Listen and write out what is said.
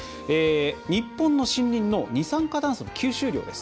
日本の森林の二酸化炭素の吸収量です。